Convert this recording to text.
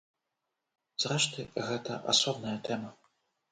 Зрэшты, гэта асобная тэма.